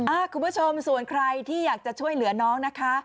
คุณผู้ชมส่วนใครที่อยากจะช่วยเหลือน้องนะคะ